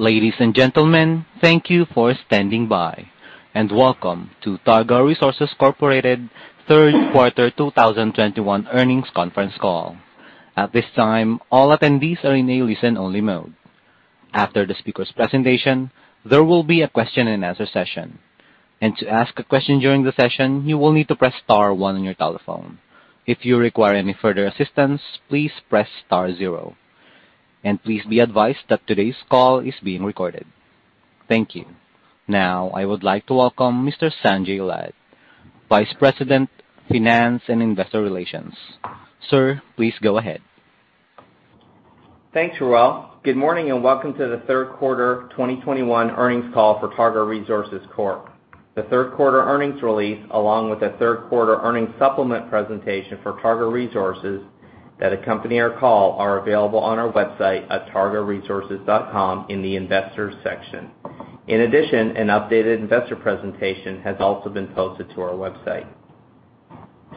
Ladies and gentlemen, thank you for standing by, and welcome to Targa Resources Corporation third quarter 2021 earnings conference call. At this time, all attendees are in a listen-only mode. After the speaker's presentation, there will be a Q&A session. To ask a question during the session, you will need to press star one on your telephone. If you require any further assistance, please press star zero. Please be advised that today's call is being recorded. Thank you. Now, I would like to welcome Mr. Sanjay Lad, Vice President, Finance and Investor Relations. Sir, please go ahead. Thanks, Joel. Good morning, and welcome to the third quarter 2021 earnings call for Targa Resources Corp. The third quarter earnings release, along with the third quarter earnings supplement presentation for Targa Resources that accompany our call are available on our website at targaresources.com in the investors section. In addition, an updated investor presentation has also been posted to our website.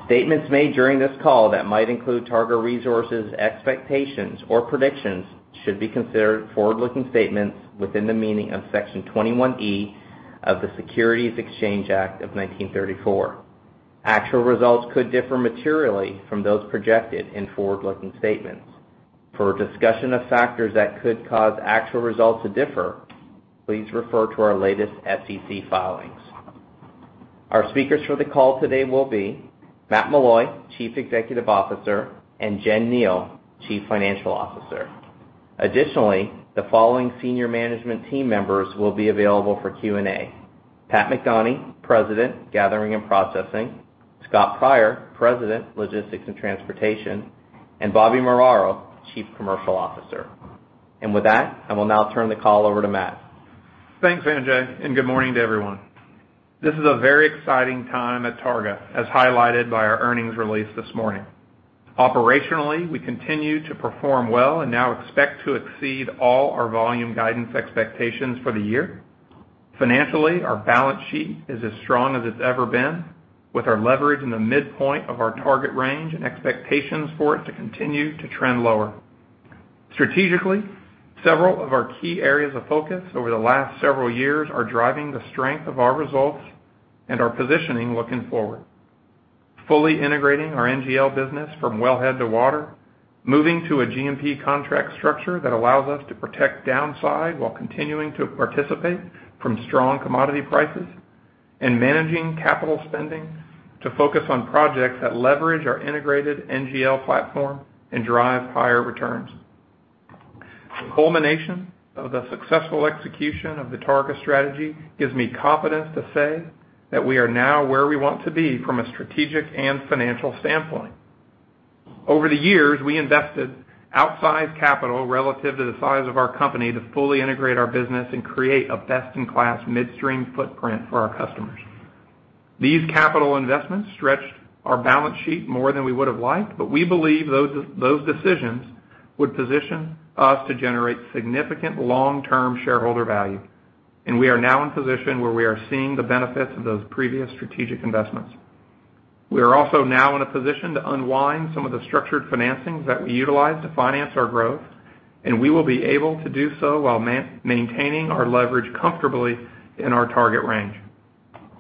Statements made during this call that might include Targa Resources expectations or predictions should be considered forward-looking statements within the meaning of Section 21E of the Securities Exchange Act of 1934. Actual results could differ materially from those projected in forward-looking statements. For a discussion of factors that could cause actual results to differ, please refer to our latest SEC filings. Our speakers for the call today will be Matt Meloy, Chief Executive Officer, and Jen Kneale, Chief Financial Officer. Additionally, the following senior management team members will be available for Q&A. Pat McDonie, President, Gathering and Processing, Scott Pryor, President, Logistics and Transportation, and Bobby Muraro, Chief Commercial Officer. With that, I will now turn the call over to Matt. Thanks, Sanjay, and good morning to everyone. This is a very exciting time at Targa, as highlighted by our earnings release this morning. Operationally, we continue to perform well and now expect to exceed all our volume guidance expectations for the year. Financially, our balance sheet is as strong as it's ever been, with our leverage in the midpoint of our target range and expectations for it to continue to trend lower. Strategically, several of our key areas of focus over the last several years are driving the strength of our results and our positioning looking forward. Fully integrating our NGL business from wellhead to water, moving to a GMP contract structure that allows us to protect downside while continuing to participate from strong commodity prices, and managing capital spending to focus on projects that leverage our integrated NGL platform and drive higher returns. The culmination of the successful execution of the Targa strategy gives me confidence to say that we are now where we want to be from a strategic and financial standpoint. Over the years, we invested outsized capital relative to the size of our company to fully integrate our business and create a best-in-class midstream footprint for our customers. These capital investments stretched our balance sheet more than we would have liked, but we believe those decisions would position us to generate significant long-term shareholder value, and we are now in a position where we are seeing the benefits of those previous strategic investments. We are also now in a position to unwind some of the structured financings that we utilized to finance our growth, and we will be able to do so while maintaining our leverage comfortably in our target range.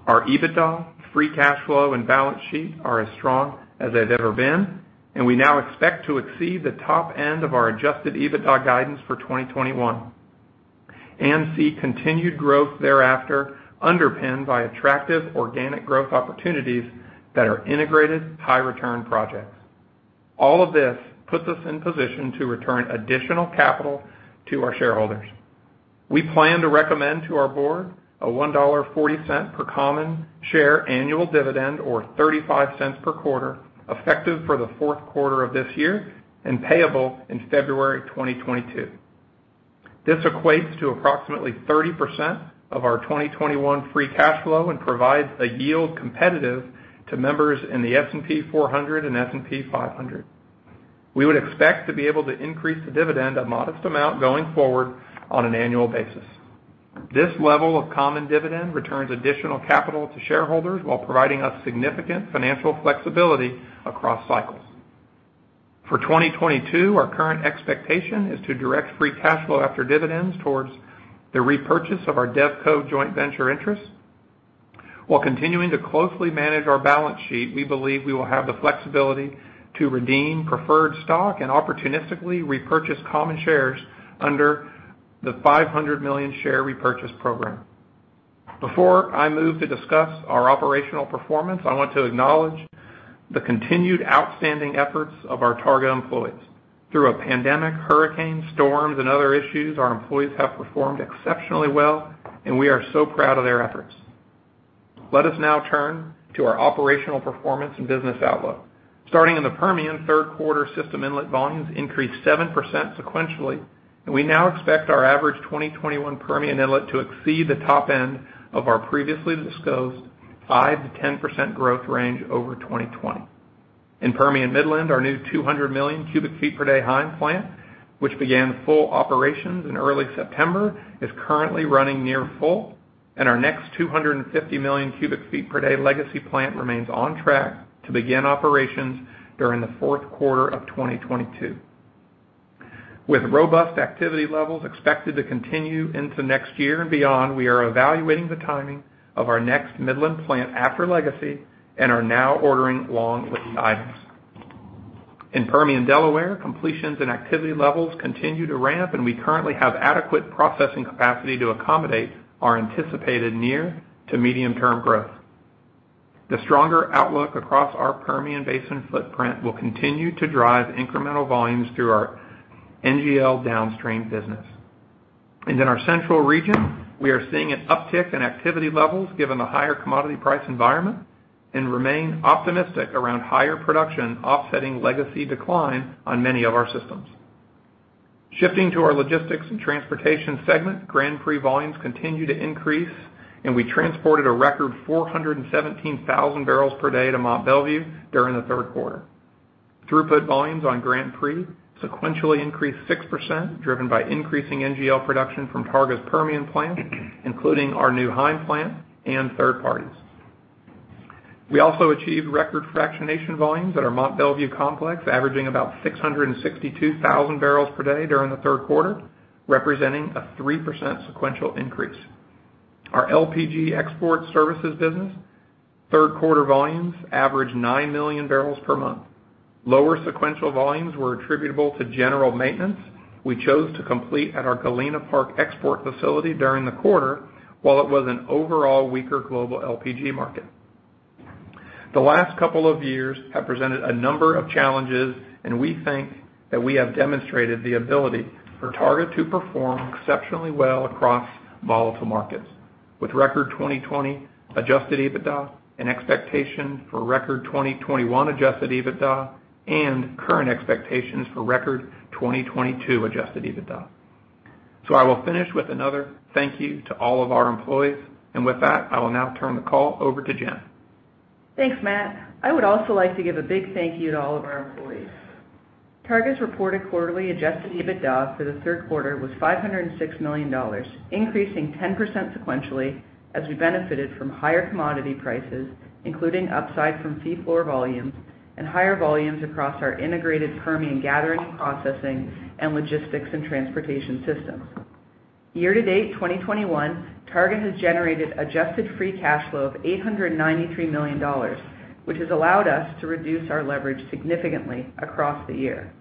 Our EBITDA, free cash flow, and balance sheet are as strong as they've ever been, and we now expect to exceed the top end of our adjusted EBITDA guidance for 2021, and see continued growth thereafter underpinned by attractive organic growth opportunities that are integrated high-return projects. All of this puts us in position to return additional capital to our shareholders. We plan to recommend to our board a $1.40 per common share annual dividend or $0.35 per quarter, effective for the fourth quarter of this year and payable in February 2022. This equates to approximately 30% of our 2021 free cash flow and provides a yield competitive to members in the S&P 400 and S&P 500. We would expect to be able to increase the dividend a modest amount going forward on an annual basis. This level of common dividend returns additional capital to shareholders while providing us significant financial flexibility across cycles. For 2022, our current expectation is to direct free cash flow after dividends towards the repurchase of our DevCo joint venture interest. While continuing to closely manage our balance sheet, we believe we will have the flexibility to redeem preferred stock and opportunistically repurchase common shares under the $500 million share repurchase program. Before I move to discuss our operational performance, I want to acknowledge the continued outstanding efforts of our Targa employees. Through a pandemic, hurricane, storms, and other issues, our employees have performed exceptionally well, and we are so proud of their efforts. Let us now turn to our operational performance and business outlook. Starting in the Permian third quarter, system inlet volumes increased 7% sequentially, and we now expect our average 2021 Permian inlet to exceed the top end of our previously disclosed 5%-10% growth range over 2020. In Permian Midland, our new 200,000,000 cu ft per day Heim plant, which began full operations in early September, is currently running near full. Our next 250,000,000 cu ft per day Legacy plant remains on track to begin operations during the fourth quarter of 2022. With robust activity levels expected to continue into next year and beyond, we are evaluating the timing of our next Midland plant after Legacy and are now ordering long-lead items. In Permian Delaware, completions and activity levels continue to ramp, and we currently have adequate processing capacity to accommodate our anticipated near to medium-term growth. The stronger outlook across our Permian Basin footprint will continue to drive incremental volumes through our NGL downstream business. In our central region, we are seeing an uptick in activity levels given the higher commodity price environment and remain optimistic around higher production offsetting legacy decline on many of our systems. Shifting to our logistics and transportation segment, Grand Prix volumes continue to increase, and we transported a record 417,000 barrels per day to Mont Belvieu during the third quarter. Throughput volumes on Grand Prix sequentially increased 6%, driven by increasing NGL production from Targa's Permian plant, including our new Heim plant and third parties. We also achieved record fractionation volumes at our Mont Belvieu complex, averaging about 662,000 barrels per day during the third quarter, representing a 3% sequential increase. Our LPG export services business, third-quarter volumes averaged 9 million barrels per month. Lower sequential volumes were attributable to general maintenance we chose to complete at our Galena Park export facility during the quarter, while it was an overall weaker global LPG market. The last couple of years have presented a number of challenges, and we think that we have demonstrated the ability for Targa to perform exceptionally well across volatile markets with record 2020 adjusted EBITDA and expectation for record 2021 adjusted EBITDA and current expectations for record 2022 adjusted EBITDA. I will finish with another thank you to all of our employees. With that, I will now turn the call over to Jen. Thanks, Matt. I would also like to give a big thank you to all of our employees. Targa's reported quarterly adjusted EBITDA for the third quarter was $506 million, increasing 10% sequentially as we benefited from higher commodity prices, including upside from fee floor volumes and higher volumes across our integrated Permian gathering, processing and logistics and transportation systems. Year to date 2021, Targa has generated adjusted free cash flow of $893 million, which has allowed us to reduce our leverage significantly across the year.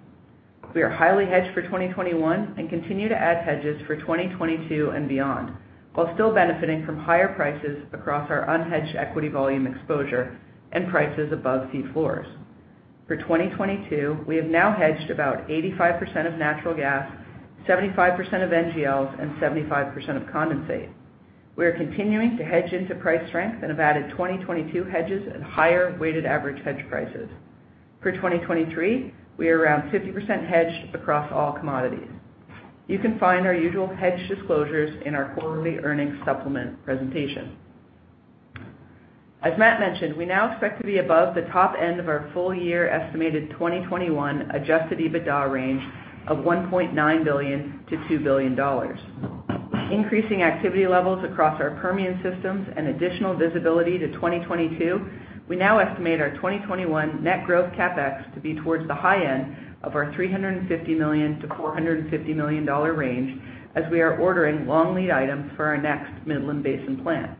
We are highly hedged for 2021 and continue to add hedges for 2022 and beyond, while still benefiting from higher prices across our unhedged equity volume exposure and prices above fee floors. For 2022, we have now hedged about 85% of natural gas, 75% of NGLs and 75% of condensate. We are continuing to hedge into price strength and have added 2022 hedges at higher weighted average hedge prices. For 2023, we are around 50% hedged across all commodities. You can find our usual hedge disclosures in our quarterly earnings supplement presentation. As Matt mentioned, we now expect to be above the top end of our full-year estimated 2021 adjusted EBITDA range of $1.9 billion-$2 billion. Increasing activity levels across our Permian systems and additional visibility to 2022, we now estimate our 2021 net growth CapEx to be towards the high end of our $350 million-$450 million range as we are ordering long-lead items for our next Midland Basin plant.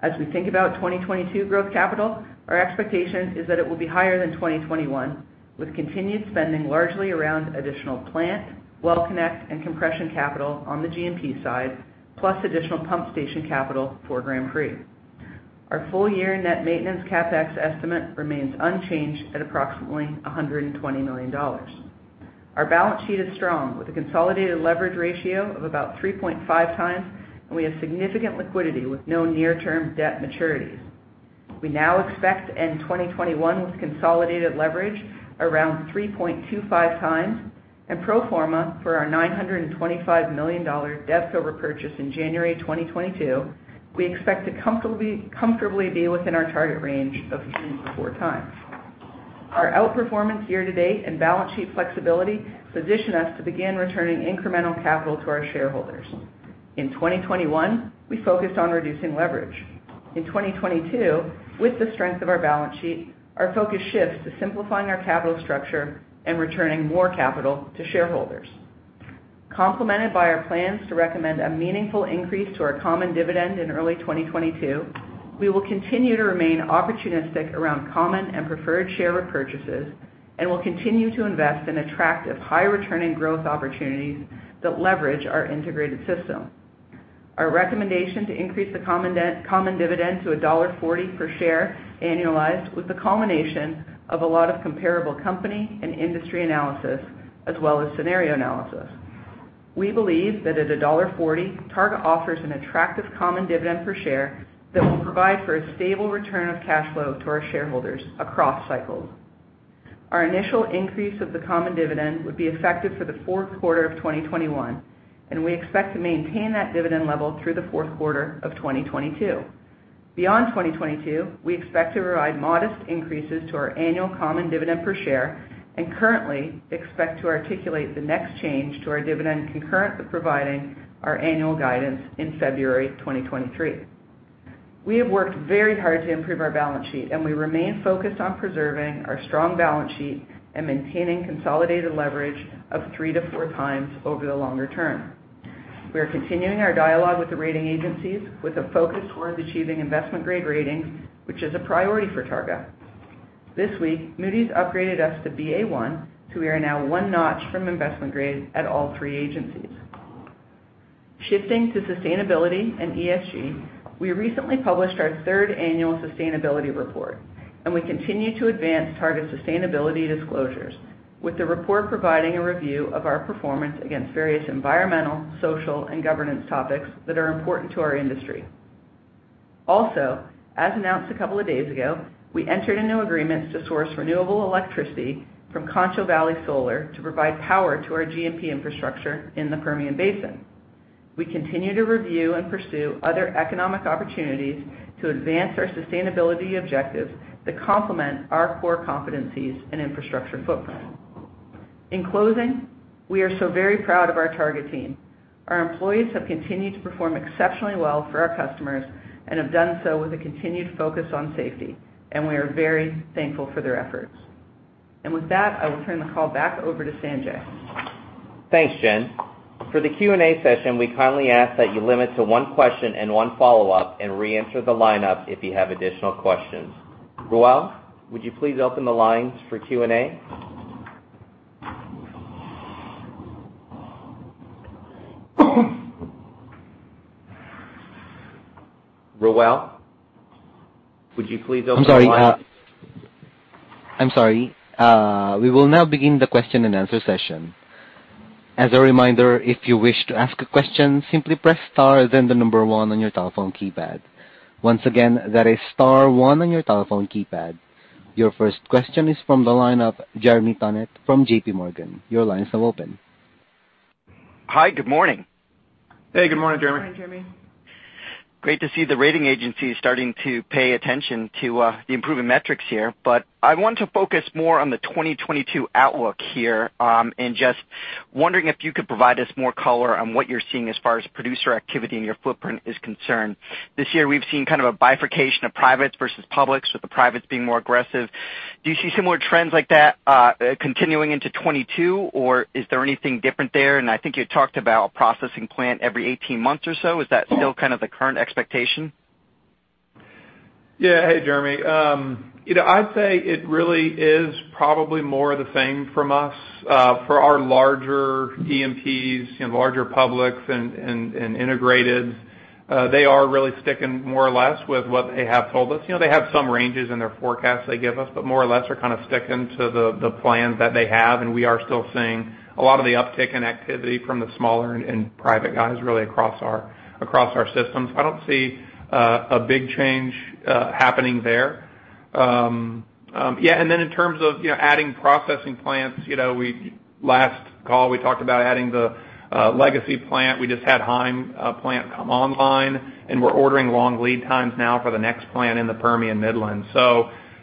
As we think about 2022 growth capital, our expectation is that it will be higher than 2021, with continued spending largely around additional plant, well connect and compression capital on the G&P side, plus additional pump station capital for Grand Prix. Our full-year net maintenance CapEx estimate remains unchanged at approximately $120 million. Our balance sheet is strong with a consolidated leverage ratio of about 3.5x, and we have significant liquidity with no near-term debt maturities. We now expect end 2021 with consolidated leverage around 3.25x and pro forma for our $925 million debt over purchase in January 2022, we expect to comfortably be within our target range of 3x-4x. Our outperformance year to date and balance sheet flexibility position us to begin returning incremental capital to our shareholders. In 2021, we focused on reducing leverage. In 2022, with the strength of our balance sheet, our focus shifts to simplifying our capital structure and returning more capital to shareholders. Complemented by our plans to recommend a meaningful increase to our common dividend in early 2022, we will continue to remain opportunistic around common and preferred share repurchases and will continue to invest in attractive high return and growth opportunities that leverage our integrated system. Our recommendation to increase the common dividend to $1.40 per share annualized was the culmination of a lot of comparable company and industry analysis as well as scenario analysis. We believe that at $1.40, Targa offers an attractive common dividend per share that will provide for a stable return of cash flow to our shareholders across cycles. Our initial increase of the common dividend would be effective for the fourth quarter of 2021, and we expect to maintain that dividend level through the fourth quarter of 2022. Beyond 2022, we expect to provide modest increases to our annual common dividend per share and currently expect to articulate the next change to our dividend concurrent with providing our annual guidance in February 2023. We have worked very hard to improve our balance sheet, and we remain focused on preserving our strong balance sheet and maintaining consolidated leverage of 3x-4x over the longer term. We are continuing our dialogue with the rating agencies with a focus towards achieving investment-grade rating, which is a priority for Targa. This week, Moody's upgraded us to Ba1, so we are now one notch from investment grade at all three agencies. Shifting to sustainability and ESG, we recently published our third annual sustainability report, and we continue to advance Targa sustainability disclosures with the report providing a review of our performance against various environmental, social, and governance topics that are important to our industry. Also, as announced a couple of days ago, we entered a new agreement to source renewable electricity from Concho Valley Solar to provide power to our GMP infrastructure in the Permian Basin. We continue to review and pursue other economic opportunities to advance our sustainability objectives to complement our core competencies and infrastructure footprint. In closing, we are so very proud of our Targa team. Our employees have continued to perform exceptionally well for our customers and have done so with a continued focus on safety, and we are very thankful for their efforts. With that, I will turn the call back over to Sanjay. Thanks, Jen. For the Q&A session, we kindly ask that you limit to one question and one follow-up and reenter the lineup if you have additional questions. Joel, would you please open the lines for Q&A? I'm sorry. We will now begin the Q&A session. As a reminder, if you wish to ask a question, simply press star then the number 1 on your telephone keypad. Once again, that is star 1 on your telephone keypad. Your first question is from the line of Jeremy Tonet from JPMorgan. Your line is now open. Hi, good morning. Hey, good morning, Jeremy. Good morning, Jeremy. Great to see the rating agency starting to pay attention to the improving metrics here. I want to focus more on the 2022 outlook here, and just wondering if you could provide us more color on what you're seeing as far as producer activity in your footprint is concerned. This year, we've seen kind of a bifurcation of privates versus publics, with the privates being more aggressive. Do you see similar trends like that, continuing into 2022, or is there anything different there? I think you talked about processing plant every 18 months or so. Is that still kind of the current expectation? Yeah. Hey, Jeremy. You know, I'd say it really is probably more of the same from us for our larger E&Ps, you know, larger publics and integrated. They are really sticking more or less with what they have told us. You know, they have some ranges in their forecasts they give us, but more or less are kind of sticking to the plan that they have. We are still seeing a lot of the uptick in activity from the smaller and private guys really across our systems. I don't see a big change happening there. Yeah, and then in terms of you know, adding processing plants, you know, last call, we talked about adding the Legacy plant. We just had Heim plant come online, and we're ordering long lead times now for the next plant in the Permian Midland.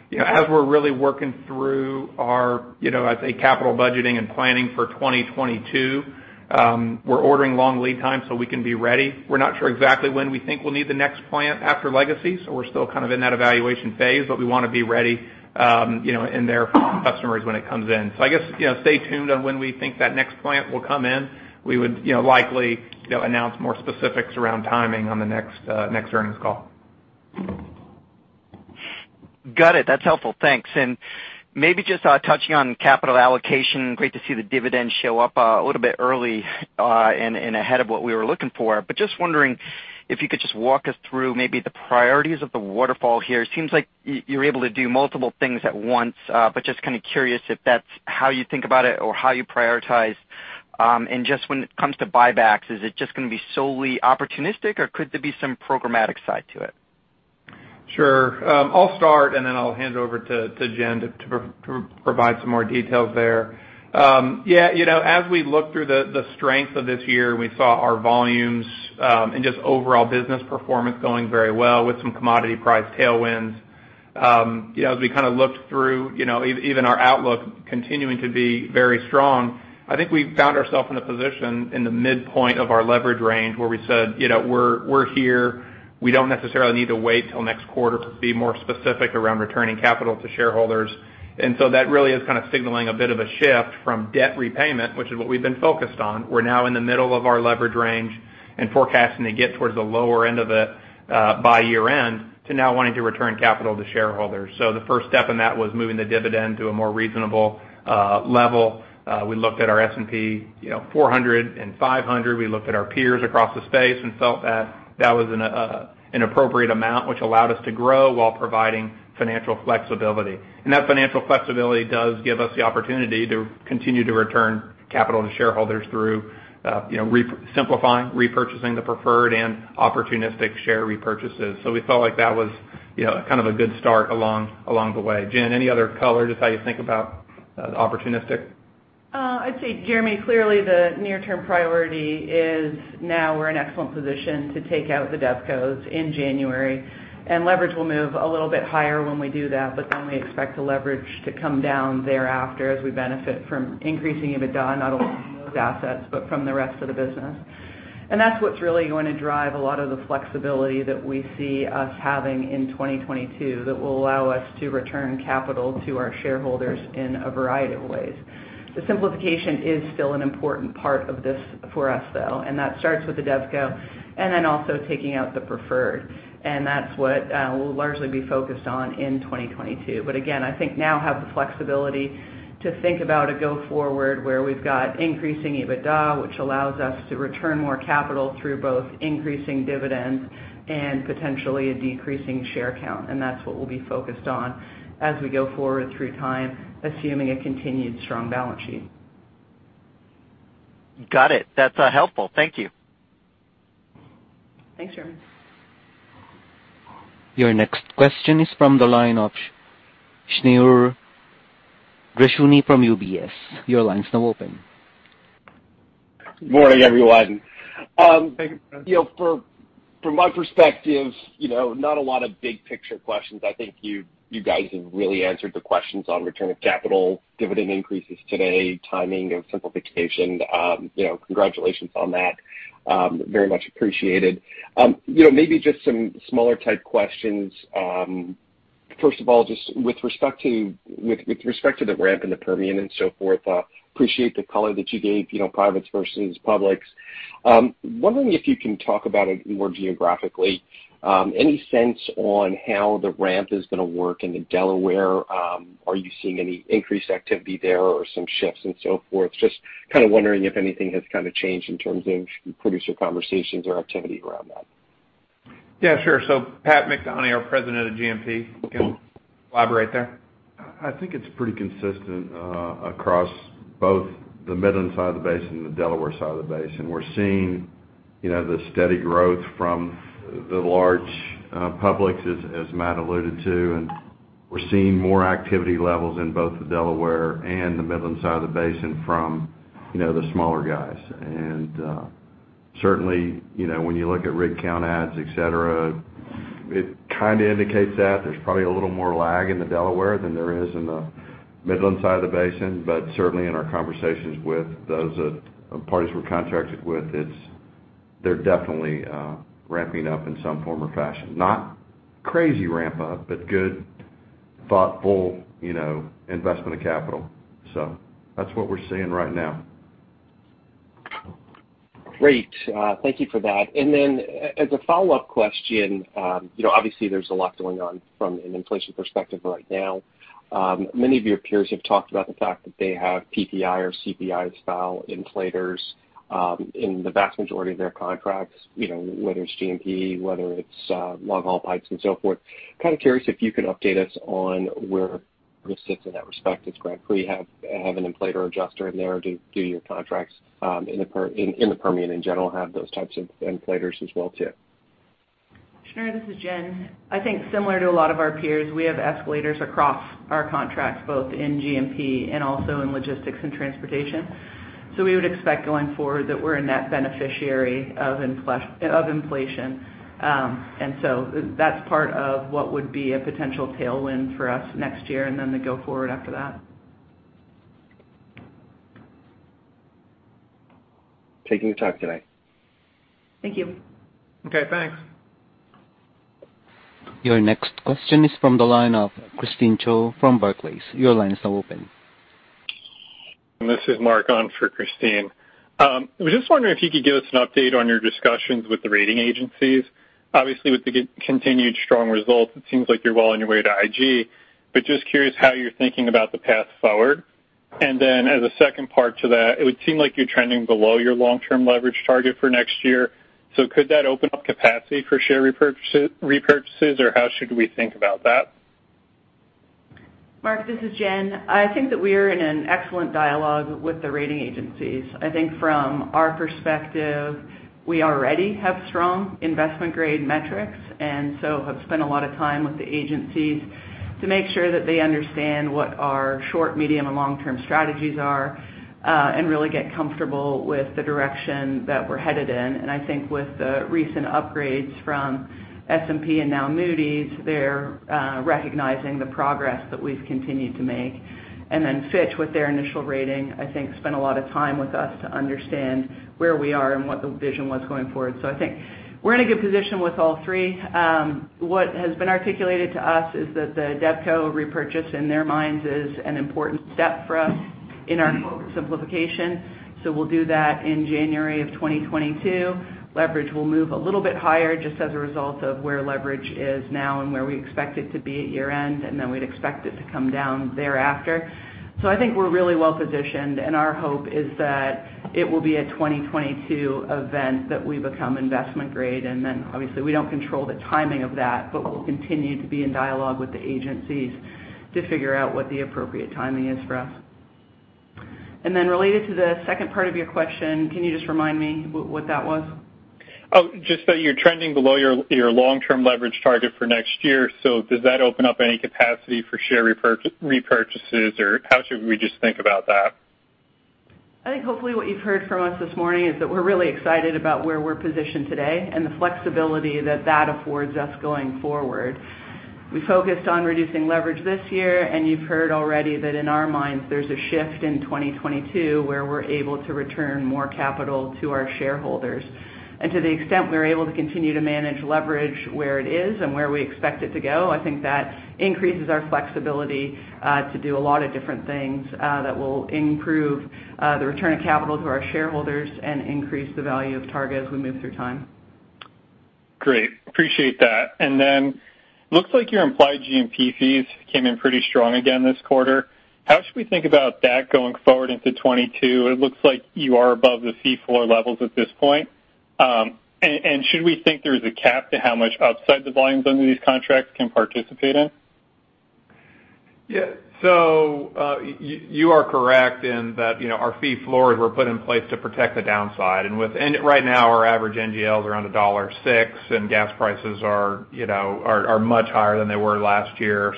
You know, as we're really working through our, you know, I'd say capital budgeting and planning for 2022, we're ordering long lead time, so we can be ready. We're not sure exactly when we think we'll need the next plant after Legacy, so we're still kind of in that evaluation phase, but we wanna be ready, you know, in there for customers when it comes in. I guess, you know, stay tuned on when we think that next plant will come in. We would, you know, likely, you know, announce more specifics around timing on the next next earnings call. Got it. That's helpful. Thanks. Maybe just touching on capital allocation. Great to see the dividends show up a little bit early and ahead of what we were looking for. Just wondering if you could just walk us through maybe the priorities of the waterfall here. Seems like you're able to do multiple things at once, but just kind of curious if that's how you think about it or how you prioritize. And just when it comes to buybacks, is it just gonna be solely opportunistic or could there be some programmatic side to it? Sure. I'll start, and then I'll hand over to Jen to provide some more details there. You know, as we look through the strength of this year, we saw our volumes and just overall business performance going very well with some commodity price tailwinds. You know, as we kind of looked through, you know, even our outlook continuing to be very strong, I think we found ourself in a position in the midpoint of our leverage range, where we said, you know, we're here. We don't necessarily need to wait till next quarter to be more specific around returning capital to shareholders. That really is kind of signaling a bit of a shift from debt repayment, which is what we've been focused on. We're now in the middle of our leverage range and forecasting to get towards the lower end of it by year-end to now wanting to return capital to shareholders. The first step in that was moving the dividend to a more reasonable level. We looked at our S&P, you know, 400 and 500. We looked at our peers across the space and felt that that was an appropriate amount which allowed us to grow while providing financial flexibility. That financial flexibility does give us the opportunity to continue to return capital to shareholders through, you know, simplifying, repurchasing the preferred and opportunistic share repurchases. We felt like that was, you know, kind of a good start along the way. Jen, any other color, just how you think about the opportunistic? I'd say, Jeremy, clearly the near-term priority is now we're in excellent position to take out the DevCos in January, and leverage will move a little bit higher when we do that, but then we expect the leverage to come down thereafter as we benefit from increasing EBITDA, not only from those assets, but from the rest of the business. That's what's really going to drive a lot of the flexibility that we see us having in 2022 that will allow us to return capital to our shareholders in a variety of ways. The simplification is still an important part of this for us, though, and that starts with the DevCo and then also taking out the preferred. That's what we'll largely be focused on in 2022. Again, I think we now have the flexibility to think about a going forward where we've got increasing EBITDA, which allows us to return more capital through both increasing dividends and potentially a decreasing share count. That's what we'll be focused on as we go forward through time, assuming a continued strong balance sheet. Got it. That's helpful. Thank you. Thanks, Jeremy. Your next question is from the line of Shneur Gershuni from UBS. Your line is now open. Morning, everyone. You know, from my perspective, you know, not a lot of big picture questions. I think you guys have really answered the questions on return of capital, dividend increases today, timing of simplification. You know, congratulations on that. Very much appreciated. You know, maybe just some smaller type questions. First of all, just with respect to the ramp in the Permian and so forth, appreciate the color that you gave, you know, privates versus publics. Wondering if you can talk about it more geographically. Any sense on how the ramp is going to work in the Delaware? Are you seeing any increased activity there or some shifts and so forth? Just kind of wondering if anything has kind of changed in terms of producer conversations or activity around that. Yeah, sure. Pat McDonie, our President of GMP, can elaborate there. I think it's pretty consistent across both the Midland side of the basin and the Delaware side of the basin. We're seeing, you know, the steady growth from the large publics, as Matt alluded to, and we're seeing more activity levels in both the Delaware and the Midland side of the basin from, you know, the smaller guys. Certainly, you know, when you look at rig count ads, et cetera, it kind of indicates that. There's probably a little more lag in the Delaware than there is in the Midland side of the basin. Certainly in our conversations with those parties we're contracted with, they're definitely ramping up in some form or fashion. Not crazy ramp up, but good, thoughtful, you know, investment of capital. That's what we're seeing right now. Great. Thank you for that. As a follow-up question, you know, obviously there's a lot going on from an inflation perspective right now. Many of your peers have talked about the fact that they have PPI or CPI style inflators in the vast majority of their contracts, you know, whether it's GMP, whether it's long-haul pipes and so forth. Kind of curious if you can update us on where this sits in that respect. Does Grand Prix have an inflator adjuster in there? Do your contracts in the Permian in general have those types of inflators as well too? Shneur, this is Jen. I think similar to a lot of our peers, we have escalators across our contracts, both in GMP and also in logistics and transportation. We would expect going forward that we're a net beneficiary of inflation. That's part of what would be a potential tailwind for us next year, and then the go forward after that. Taking the time today. Thank you. Okay, thanks. Your next question is from the line of Christine Cho from Barclays. Your line is now open. This is Mark on for Christine. Was just wondering if you could give us an update on your discussions with the rating agencies. Obviously, with the continued strong results, it seems like you're well on your way to IG, but just curious how you're thinking about the path forward. As a second part to that, it would seem like you're trending below your long-term leverage target for next year. Could that open up capacity for share repurchases, or how should we think about that? Mark, this is Jen. I think that we are in an excellent dialogue with the rating agencies. I think from our perspective, we already have strong investment-grade metrics, and so have spent a lot of time with the agencies to make sure that they understand what our short, medium, and long-term strategies are, and really get comfortable with the direction that we're headed in. I think with the recent upgrades from S&P and now Moody's, they're recognizing the progress that we've continued to make. Then Fitch, with their initial rating, I think spent a lot of time with us to understand where we are and what the vision was going forward. I think we're in a good position with all three. What has been articulated to us is that the DevCo repurchase in their minds is an important step for us in our simplification. We'll do that in January 2022. Leverage will move a little bit higher just as a result of where leverage is now and where we expect it to be at year-end, and then we'd expect it to come down thereafter. I think we're really well positioned, and our hope is that it will be a 2022 event that we become investment grade. Obviously, we don't control the timing of that, but we'll continue to be in dialogue with the agencies to figure out what the appropriate timing is for us. Related to the second part of your question, can you just remind me what that was? Oh, just that you're trending below your long-term leverage target for next year. Does that open up any capacity for share repurchases, or how should we just think about that? I think hopefully what you've heard from us this morning is that we're really excited about where we're positioned today and the flexibility that that affords us going forward. We focused on reducing leverage this year, and you've heard already that in our minds, there's a shift in 2022 where we're able to return more capital to our shareholders. To the extent we're able to continue to manage leverage where it is and where we expect it to go, I think that increases our flexibility to do a lot of different things that will improve the return of capital to our shareholders and increase the value of Targa as we move through time. Great. Appreciate that. Looks like your implied GMP fees came in pretty strong again this quarter. How should we think about that going forward into 2022? It looks like you are above the fee floor levels at this point. Should we think there is a cap to how much upside the volumes under these contracts can participate in? Yeah. You are correct in that, you know, our fee floors were put in place to protect the downside. Right now, our average NGL is around $1.06, and gas prices are, you know, much higher than they were last year.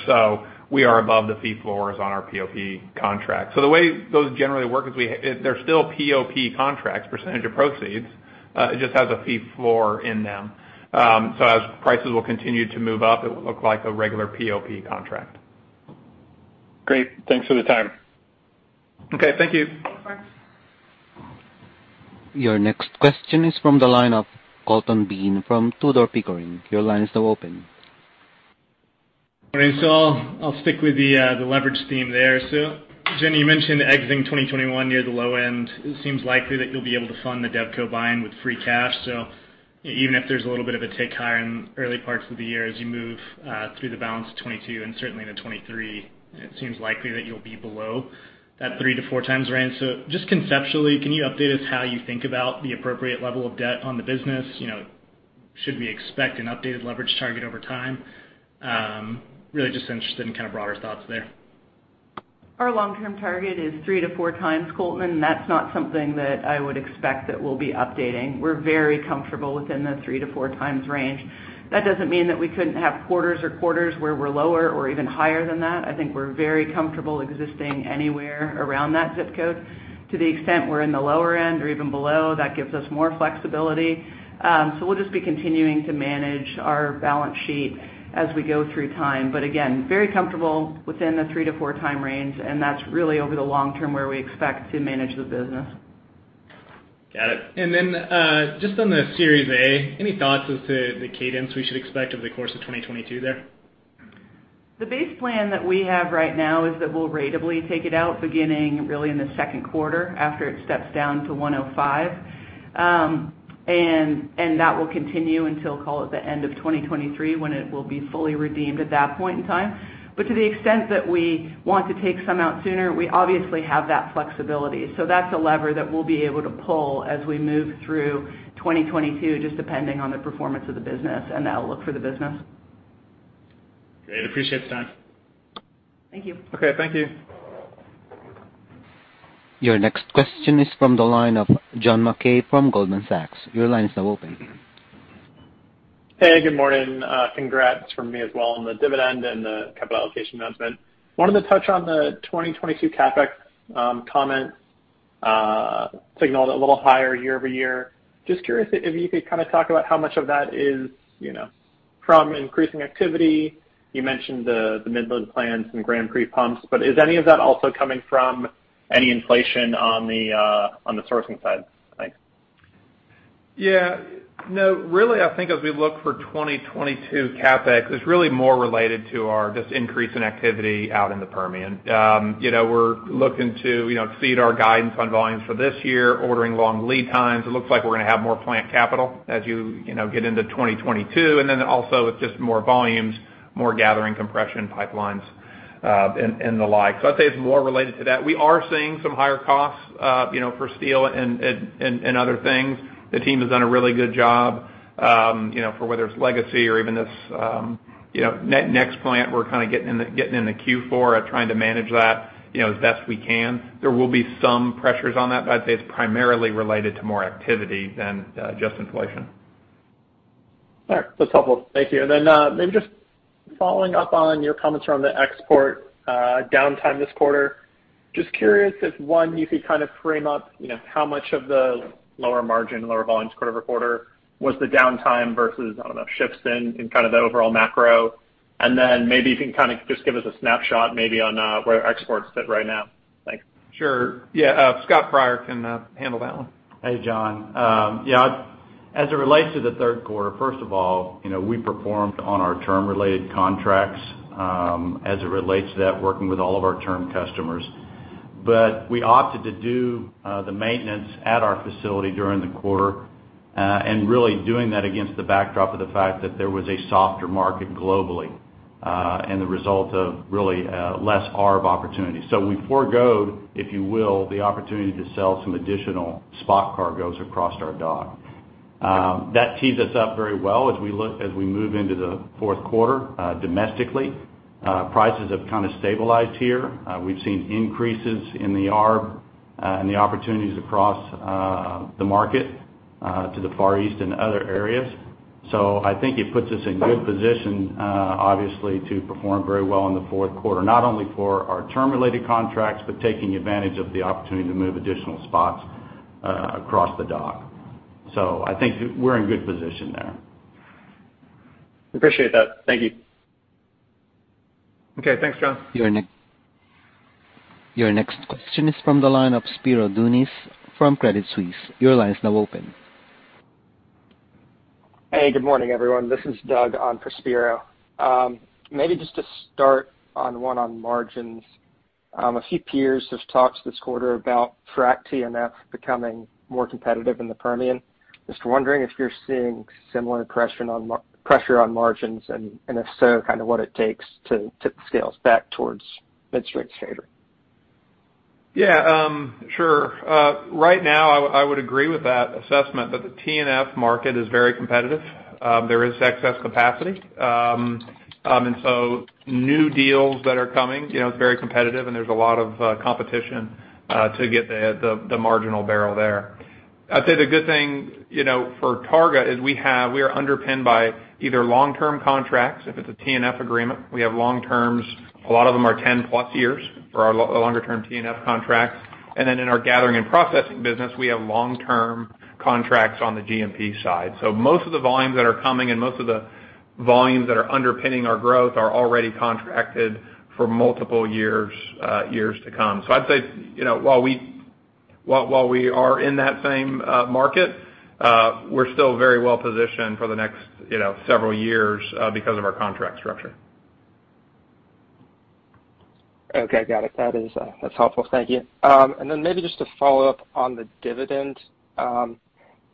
We are above the fee floors on our POP contract. The way those generally work is they're still POP contracts, percentage of proceeds, it just has a fee floor in them. As prices will continue to move up, it will look like a regular POP contract. Great. Thanks for the time. Okay, thank you. Thanks, Mark. Your next question is from the line of Colton Bean from Tudor, Pickering. Your line is now open. All right, I'll stick with the leverage theme there. Jen, you mentioned exiting 2021 near the low end. It seems likely that you'll be able to fund the DevCo buy-in with free cash. Even if there's a little bit of a tick higher in early parts of the year as you move through the balance of 2022 and certainly into 2023, it seems likely that you'll be below that 3x-4x range. Just conceptually, can you update us how you think about the appropriate level of debt on the business? You know, should we expect an updated leverage target over time? Really just interested in kind of broader thoughts there. Our long-term target is 3x-4x, Colton, and that's not something that I would expect that we'll be updating. We're very comfortable within the 3x-4x range. That doesn't mean that we couldn't have quarters where we're lower or even higher than that. I think we're very comfortable existing anywhere around that zip code. To the extent we're in the lower end or even below, that gives us more flexibility. So we'll just be continuing to manage our balance sheet as we go through time. Very comfortable within the 3x-4x range, and that's really over the long term where we expect to manage the business. Got it. Just on the Series A, any thoughts as to the cadence we should expect over the course of 2022 there? The base plan that we have right now is that we'll ratably take it out, beginning really in the second quarter after it steps down to 105. That will continue until, call it, the end of 2023, when it will be fully redeemed at that point in time. To the extent that we want to take some out sooner, we obviously have that flexibility. That's a lever that we'll be able to pull as we move through 2022, just depending on the performance of the business and the outlook for the business. Great. Appreciate the time. Thank you. Okay, thank you. Your next question is from the line of John Mackay from Goldman Sachs. Your line is now open. Hey, good morning. Congrats from me as well on the dividend and the capital allocation announcement. Wanted to touch on the 2022 CapEx comments that signaled a little higher year-over-year. Just curious if you could kind of talk about how much of that is, you know, from increasing activity. You mentioned the Midland plans and Grand Prix pumps, but is any of that also coming from any inflation on the sourcing side? Thanks. Yeah. No, really, I think as we look for 2022 CapEx, it's really more related to our just increase in activity out in the Permian. You know, we're looking to, you know, exceed our guidance on volumes for this year, ordering long lead times. It looks like we're gonna have more plant capital as you know, get into 2022. Then also with just more volumes, more gathering compression pipelines, and other things. The team has done a really good job, you know, for whether it's Legacy or even this, you know, next plant we're kind of getting in the, getting in the Q4 at trying to manage that, you know, as best we can. There will be some pressures on that, but I'd say it's primarily related to more activity than just inflation. All right. That's helpful. Thank you. Maybe just following up on your comments around the export downtime this quarter, just curious if, one, you could kind of frame up, you know, how much of the lower margin, lower volumes quarter-over-quarter was the downtime versus, I don't know, shifts in kind of the overall macro. Maybe you can kind of just give us a snapshot maybe on where exports sit right now. Thanks. Sure. Yeah. Scott Pryor can handle that one. Hey, John. Yeah, as it relates to the third quarter, first of all, you know, we performed on our term-related contracts, as it relates to that, working with all of our term customers. We opted to do the maintenance at our facility during the quarter, and really doing that against the backdrop of the fact that there was a softer market globally, and the result of really less ARB opportunities. We forgo, if you will, the opportunity to sell some additional spot cargoes across our dock. That tees us up very well as we move into the fourth quarter, domestically. Prices have kind of stabilized here. We've seen increases in the ARB The opportunities across the market to the Far East and other areas. I think it puts us in good position, obviously, to perform very well in the fourth quarter, not only for our term-related contracts, but taking advantage of the opportunity to move additional spots across the dock. I think we're in good position there. Appreciate that. Thank you. Okay. Thanks, John. Your next question is from the line of Spiro Dounis from Credit Suisse. Your line is now open. Hey, good morning, everyone. This is Doug on for Spiro. Maybe just to start on margins. A few peers have talked this quarter about frac T&F becoming more competitive in the Permian. Just wondering if you're seeing similar pressure on margins, and if so, kind of what it takes to tip the scales back towards midstream favor. Yeah, sure. Right now I would agree with that assessment that the T&F market is very competitive. There is excess capacity. New deals that are coming, you know, it's very competitive and there's a lot of competition to get the marginal barrel there. I'd say the good thing, you know, for Targa is we are underpinned by either long-term contracts, if it's a T&F agreement, we have long terms. A lot of them are 10+ years for our longer term T&F contracts. In our gathering and processing business, we have long-term contracts on the GMP side. Most of the volumes that are coming and most of the volumes that are underpinning our growth are already contracted for multiple years to come. I'd say, you know, while we are in that same market, we're still very well positioned for the next, you know, several years, because of our contract structure. Okay, got it. That is, that's helpful. Thank you. Then maybe just to follow up on the dividend, I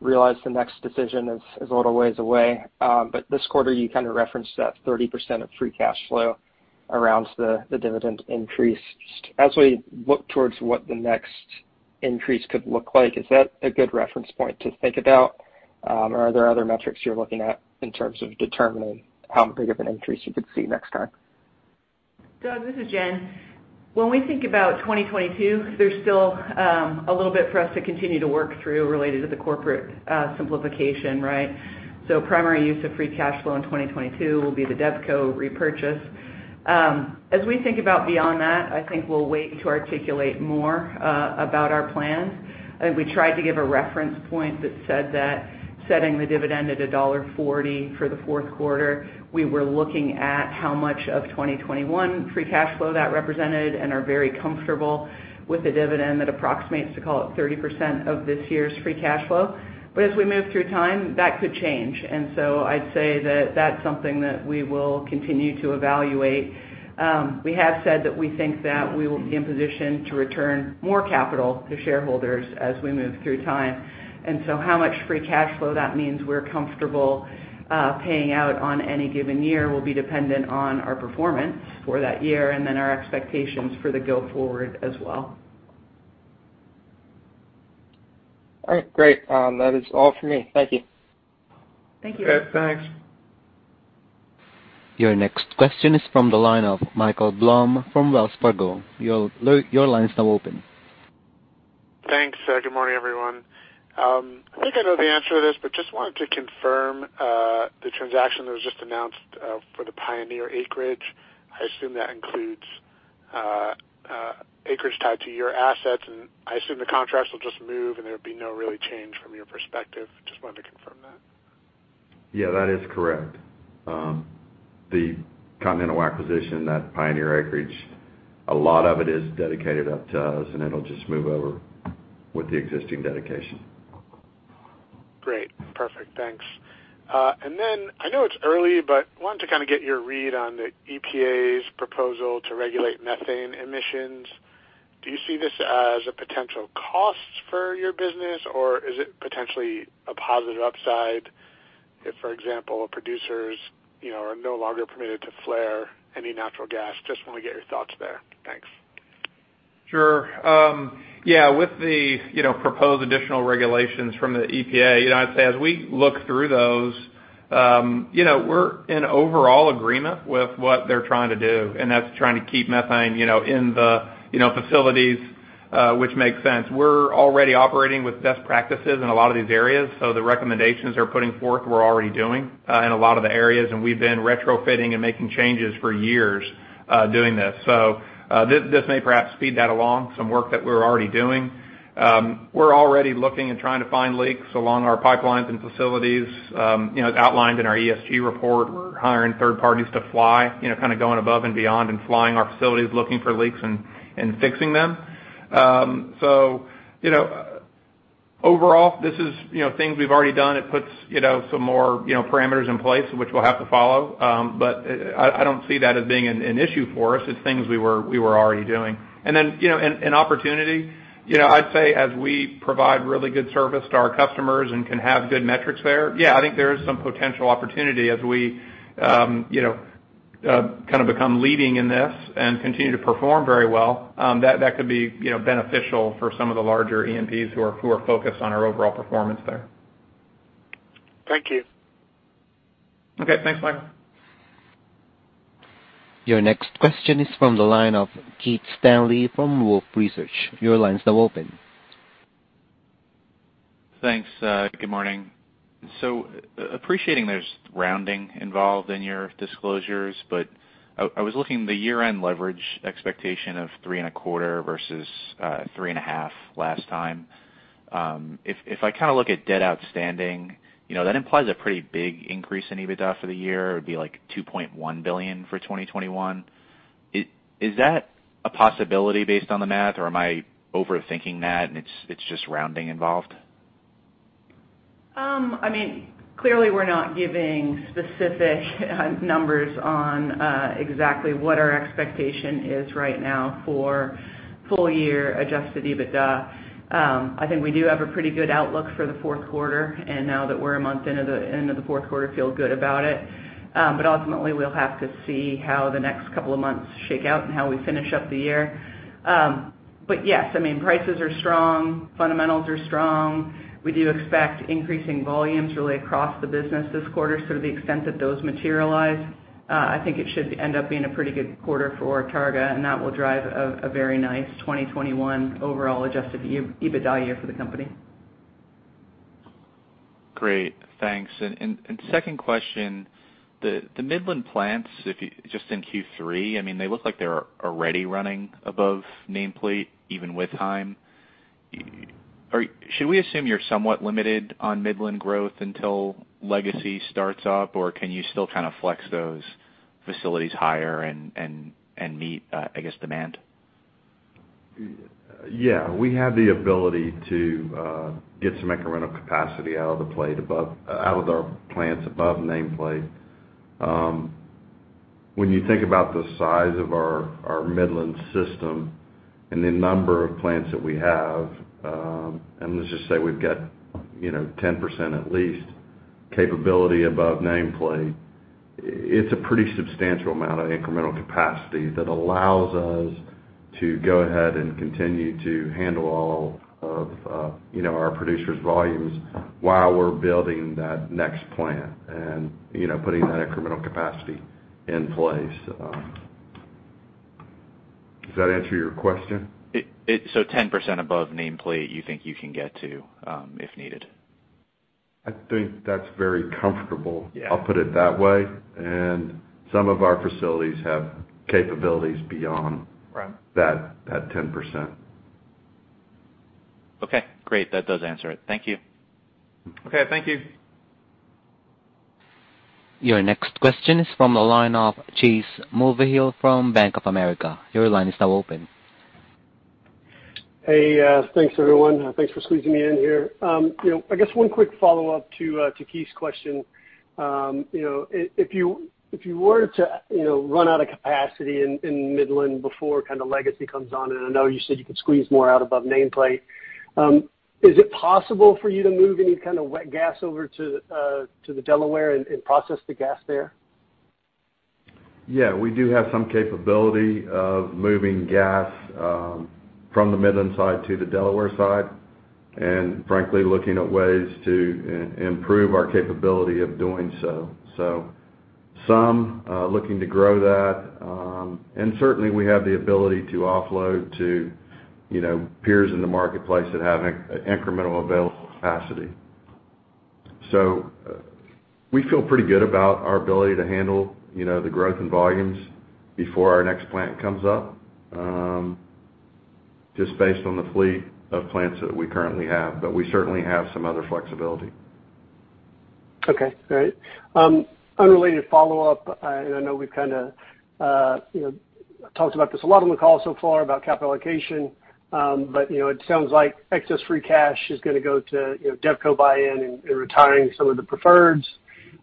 realize the next decision is a little ways away, but this quarter, you kind of referenced that 30% of free cash flow around the dividend increase. As we look towards what the next increase could look like, is that a good reference point to think about? Are there other metrics you're looking at in terms of determining how big of an increase you could see next time? Doug, this is Jen. When we think about 2022, there's still a little bit for us to continue to work through related to the corporate simplification, right? Primary use of free cash flow in 2022 will be the DevCo repurchase. As we think about beyond that, I think we'll wait to articulate more about our plans. We tried to give a reference point that said that setting the dividend at $1.40 for the fourth quarter, we were looking at how much of 2021 free cash flow that represented and are very comfortable with a dividend that approximates to call it 30% of this year's free cash flow. As we move through time, that could change. I'd say that that's something that we will continue to evaluate. We have said that we think that we will be in position to return more capital to shareholders as we move through time, and so how much free cash flow that means we're comfortable paying out on any given year will be dependent on our performance for that year and then our expectations for the go forward as well. All right. Great. That is all for me. Thank you. Thank you. Okay, thanks. Your next question is from the line of Michael Blum from Wells Fargo. Your line is now open. Thanks. Good morning, everyone. I think I know the answer to this, but just wanted to confirm the transaction that was just announced for the Pioneer acreage. I assume that includes acreage tied to your assets, and I assume the contracts will just move and there'll be no real change from your perspective. Just wanted to confirm that. Yeah, that is correct. The Continental acquisition, that Pioneer acreage, a lot of it is dedicated out to us, and it'll just move over with the existing dedication. Great. Perfect. Thanks. I know it's early, but wanted to kind of get your read on the EPA's proposal to regulate methane emissions. Do you see this as a potential cost for your business, or is it potentially a positive upside if, for example, producers, you know, are no longer permitted to flare any natural gas? Just wanna get your thoughts there. Thanks. Sure. Yeah, with the, you know, proposed additional regulations from the EPA, you know, I'd say as we look through those, you know, we're in overall agreement with what they're trying to do, and that's trying to keep methane, you know, in the, you know, facilities, which makes sense. We're already operating with best practices in a lot of these areas, so the recommendations they're putting forth we're already doing, in a lot of the areas, and we've been retrofitting and making changes for years, doing this. This may perhaps speed that along, some work that we're already doing. We're already looking and trying to find leaks along our pipelines and facilities. You know, as outlined in our ESG report, we're hiring third parties to fly, you know, kind of going above and beyond and flying our facilities looking for leaks and fixing them. So, you know, overall this is, you know, things we've already done. It puts, you know, some more, you know, parameters in place which we'll have to follow. But I don't see that as being an issue for us. It's things we were already doing. You know, an opportunity, you know, I'd say as we provide really good service to our customers and can have good metrics there, yeah, I think there is some potential opportunity as we, you know, kind of become leading in this and continue to perform very well, that could be, you know, beneficial for some of the larger E&Ps who are focused on our overall performance there. Thank you. Okay. Thanks, Michael. Your next question is from the line of Keith Stanley from Wolfe Research. Your line's now open. Thanks. Good morning. Appreciating there's rounding involved in your disclosures, but I was looking at the year-end leverage expectation of 3.25 versus 3.5 last time. If I kinda look at debt outstanding, you know, that implies a pretty big increase in EBITDA for the year. It'd be like $2.1 billion for 2021. Is that a possibility based on the math, or am I overthinking that, and it's just rounding involved? I mean, clearly, we're not giving specific numbers on exactly what our expectation is right now for full-year adjusted EBITDA. I think we do have a pretty good outlook for the fourth quarter, and now that we're a month into the fourth quarter, we feel good about it. Ultimately, we'll have to see how the next couple of months shake out and how we finish up the year. Yes, I mean, prices are strong, fundamentals are strong. We do expect increasing volumes really across the business this quarter. To the extent that those materialize, I think it should end up being a pretty good quarter for Targa, and that will drive a very nice 2021 overall adjusted EBITDA year for the company. Great. Thanks. Second question, the Midland plants, just in Q3, I mean, they look like they're already running above nameplate even with time. Should we assume you're somewhat limited on Midland growth until Legacy starts up, or can you still kind of flex those facilities higher and meet, I guess, demand? Yeah, we have the ability to get some incremental capacity out of our plants above nameplate. When you think about the size of our Midland system and the number of plants that we have, and let's just say we've got, you know, 10% at least capability above nameplate, it's a pretty substantial amount of incremental capacity that allows us to go ahead and continue to handle all of, you know, our producers' volumes while we're building that next plant and, you know, putting that incremental capacity in place. Does that answer your question? 10% above nameplate you think you can get to, if needed? I think that's very comfortable. Yeah. I'll put it that way. Some of our facilities have capabilities beyond. Right. that 10%. Okay. Great. That does answer it. Thank you. Okay. Thank you. Your next question is from the line of Chase Mulvehill from Bank of America. Your line is now open. Hey, thanks everyone. Thanks for squeezing me in here. You know, I guess one quick follow-up to Keith's question. You know, if you were to run out of capacity in Midland before Legacy comes on, and I know you said you could squeeze more out above nameplate, is it possible for you to move any kind of wet gas over to the Delaware and process the gas there? Yeah, we do have some capability of moving gas from the Midland side to the Delaware side, and frankly, looking at ways to improve our capability of doing so. Some looking to grow that. Certainly, we have the ability to offload to, you know, peers in the marketplace that have incremental available capacity. We feel pretty good about our ability to handle, you know, the growth in volumes before our next plant comes up, just based on the fleet of plants that we currently have. We certainly have some other flexibility. Okay, great. Unrelated follow-up. I know we've kinda you know, talked about this a lot on the call so far about capital allocation. You know, it sounds like excess free cash is gonna go to, you know, DevCo buy-in and retiring some of the preferreds.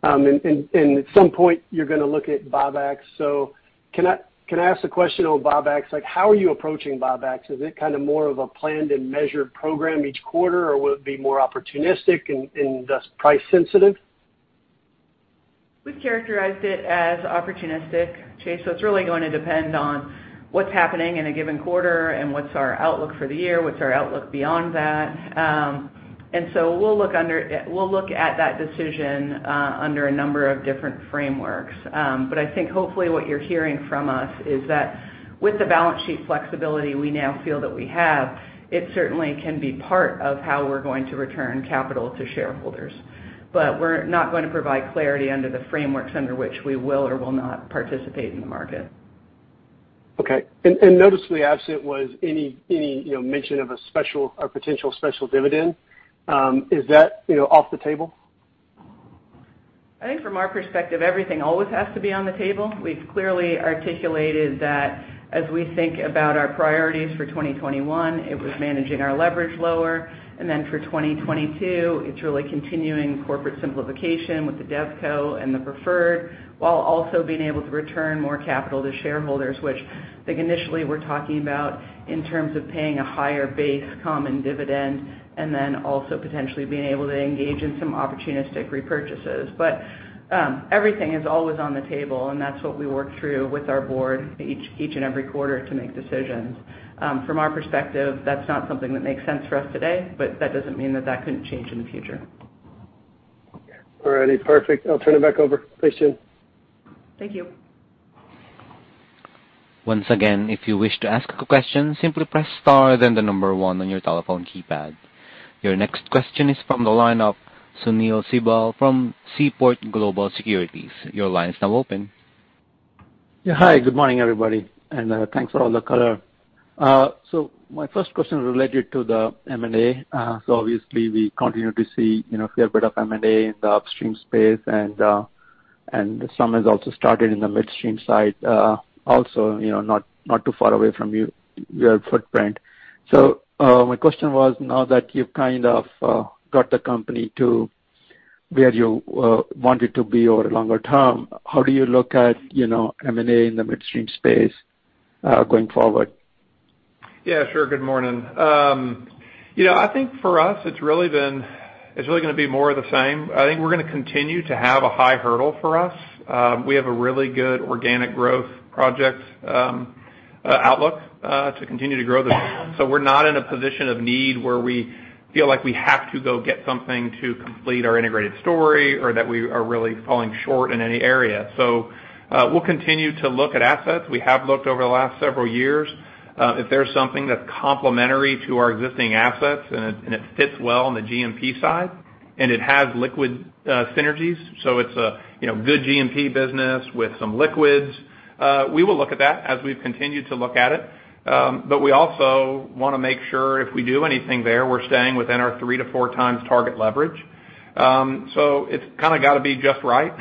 At some point, you're gonna look at buybacks. Can I ask a question on buybacks? Like, how are you approaching buybacks? Is it kind of more of a planned and measured program each quarter, or will it be more opportunistic and thus price sensitive? We've characterized it as opportunistic, Chase, so it's really going to depend on what's happening in a given quarter and what's our outlook for the year, what's our outlook beyond that. We'll look at that decision under a number of different frameworks. I think hopefully what you're hearing from us is that with the balance sheet flexibility we now feel that we have, it certainly can be part of how we're going to return capital to shareholders. We're not gonna provide clarity under the frameworks under which we will or will not participate in the market. Okay. Noticeably absent was any, you know, mention of a special or potential special dividend. Is that, you know, off the table? I think from our perspective, everything always has to be on the table. We've clearly articulated that as we think about our priorities for 2021, it was managing our leverage lower. Then for 2022, it's really continuing corporate simplification with the DevCo and the preferred, while also being able to return more capital to shareholders, which I think initially we're talking about in terms of paying a higher base common dividend and then also potentially being able to engage in some opportunistic repurchases. Everything is always on the table, and that's what we work through with our board each and every quarter to make decisions. From our perspective, that's not something that makes sense for us today, but that doesn't mean that that couldn't change in the future. All righty. Perfect. I'll turn it back over. Thanks, Jim. Thank you. Once again, if you wish to ask a question, simply press star then one on your telephone keypad. Your next question is from the line of Sunil Sibal from Seaport Global Securities. Your line is now open. Yeah. Hi, good morning, everybody, and thanks for all the color. So my first question is related to the M&A. So obviously we continue to see, you know, a fair bit of M&A in the upstream space and some has also started in the midstream side, also, you know, not too far away from your footprint. So my question was, now that you've kind of got the company to where you want it to be over longer term, how do you look at, you know, M&A in the midstream space, going forward? Yeah, sure. Good morning. You know, I think for us, it's really gonna be more of the same. I think we're gonna continue to have a high hurdle for us. We have a really good organic growth project outlook to continue to grow. So we're not in a position of need where we feel like we have to go get something to complete our integrated story or that we are really falling short in any area. So we'll continue to look at assets. We have looked over the last several years. If there's something that's complementary to our existing assets and it fits well on the GMP side and it has liquid synergies, so it's a you know, good GMP business with some liquids, we will look at that as we've continued to look at it. We also wanna make sure if we do anything there, we're staying within our 3x-4x target leverage. It's kinda gotta be just right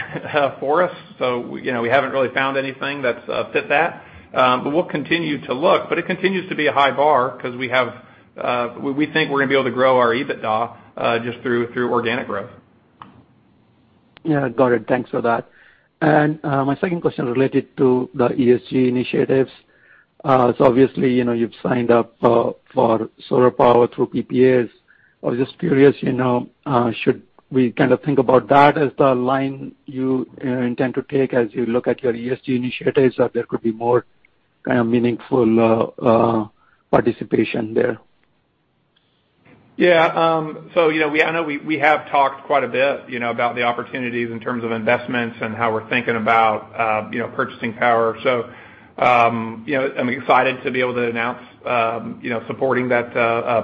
for us. You know, we haven't really found anything that's fit that. We'll continue to look. It continues to be a high bar because we think we're gonna be able to grow our EBITDA just through organic growth. Yeah, got it. Thanks for that. My second question related to the ESG initiatives. Obviously, you know, you've signed up for solar power through PPAs. I was just curious, you know, should we kind of think about that as the line you intend to take as you look at your ESG initiatives or there could be more kind of meaningful participation there? Yeah. You know, I know we have talked quite a bit, you know, about the opportunities in terms of investments and how we're thinking about, you know, purchasing power. You know, I'm excited to be able to announce, you know, supporting that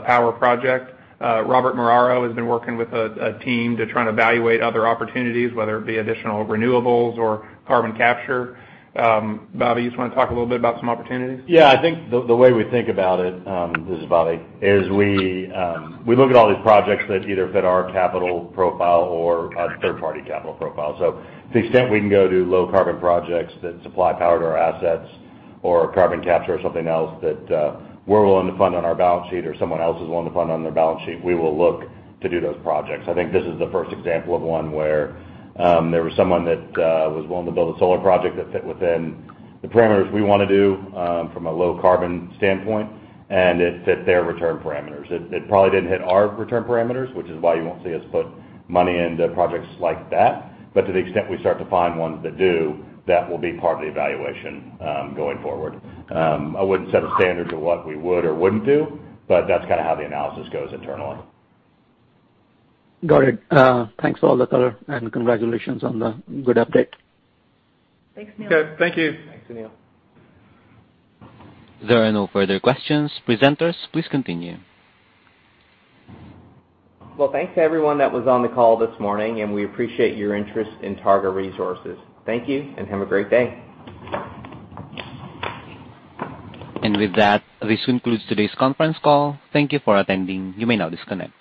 power project. Bobby Muraro has been working with a team to try to evaluate other opportunities, whether it be additional renewables or carbon capture. Bobby, you just wanna talk a little bit about some opportunities? Yeah, I think the way we think about it, this is Bobby, we look at all these projects that either fit our capital profile or a third party capital profile. To the extent we can go do low carbon projects that supply power to our assets or carbon capture or something else that, we're willing to fund on our balance sheet or someone else is willing to fund on their balance sheet, we will look to do those projects. I think this is the first example of one where, there was someone that was willing to build a solar project that fit within the parameters we wanna do, from a low carbon standpoint, and it fit their return parameters. It probably didn't hit our return parameters, which is why you won't see us put money into projects like that, but to the extent we start to find ones that do, that will be part of the evaluation, going forward. I wouldn't set a standard to what we would or wouldn't do, but that's kinda how the analysis goes internally. Got it. Thanks for all the color, and congratulations on the good update. Thanks, Sunil. Okay. Thank you. Thanks, Sunil. There are no further questions. Presenters, please continue. Well, thanks to everyone that was on the call this morning, and we appreciate your interest in Targa Resources. Thank you, and have a great day. With that, this concludes today's conference call. Thank you for attending. You may now disconnect.